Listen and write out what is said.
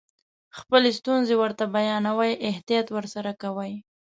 خپلې ستونزې ورته بیانوئ احتیاط ورسره کوئ.